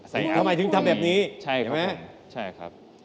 ทำไมถึงทำแบบนี้ใช่ไหมใช่ครับทำไมถึงทำแบบนี้ใช่ไหม